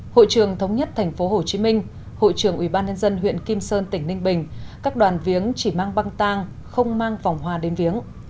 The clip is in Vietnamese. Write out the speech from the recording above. hội trường thống nhất thành phố hồ chí minh hội trường ủy ban nhân dân huyện kim sơn tỉnh ninh bình các đoàn viếng chỉ mang băng tang không mang vòng hòa đến viếng